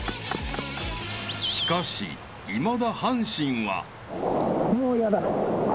［しかしいまだ阪神は］